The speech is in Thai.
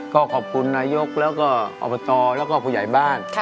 ก็ขอบคุณนายกแล้วก็อบตแล้วก็ผู้ใหญ่บ้าน